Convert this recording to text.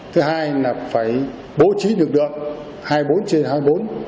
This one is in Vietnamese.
thứ hai là phải bố trí lực lượng hai mươi bốn trên hai mươi bốn